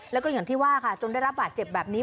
แล้วก็อย่างที่ว่าค่ะจนได้รับบาดเจ็บแบบนี้